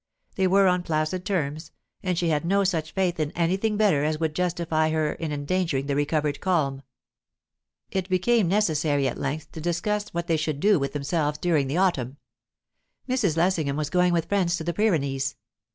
They were on placid terms, and she had no such faith in anything better as would justify her in endangering the recovered calm. It became necessary at length to discuss what they should do with themselves during the autumn. Mrs. Lessingham was going with friends to the Pyrenees.